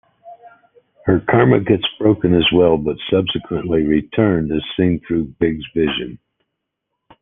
Her karma gets broken as well but subsequently returned, as seen through Big's vision.